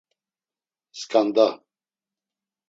Sǩanda.